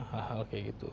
hal hal kayak gitu